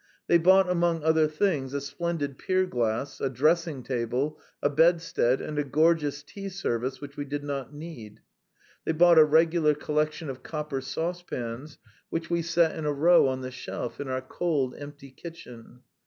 They bought, among other things, a splendid pier glass, a dressing table, a bedstead, and a gorgeous tea service which we did not need. They bought a regular collection of copper saucepans, which we set in a row on the shelf in our cold, empty kitchen.